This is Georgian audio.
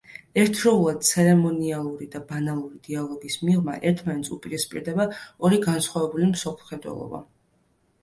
ერთდროულად ცერემონიალური და ბანალური დიალოგის მიღმა ერთმანეთს უპირისპირდება ორი განსხვავებული მსოფლმხედველობა.